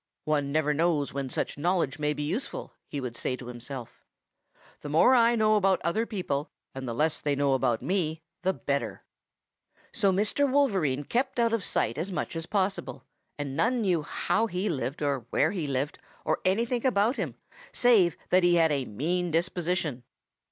"'One never knows when such knowledge may be useful,' he would say to himself. 'The more I know about other people and the less they know about me the better.' "So Mr. Wolverine kept out of sight as much as possible, and none knew how he lived or where he lived or anything about him save that he had a mean disposition.